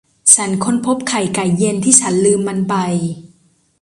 ฉันค้นพบไข่ไก่เย็นที่ฉันลืมมันไป